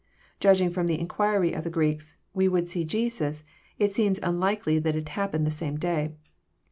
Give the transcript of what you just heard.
Judging from the inquiry of the Greeks, «* We would see Jesus," it seems uulikely that it happened the same day.